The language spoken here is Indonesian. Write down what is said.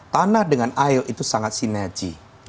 tanah dengan air itu sangat sinergi